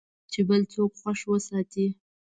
چې بل څوک خوښ وساتې .